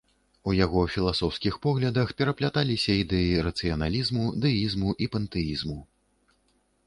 У яго філасофскіх поглядах перапляталіся ідэі рацыяналізму, дэізму і пантэізму.